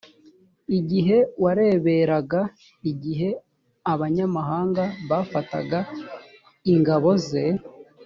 igihe wareberaga, igihe abanyamahanga bafataga ingabo ze